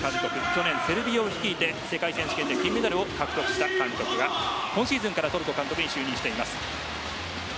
去年セルビアを率いて世界選手権で銀メダルを獲得した監督が今シーズンからトルコ監督に就任しています。